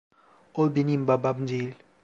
O benim babam değil.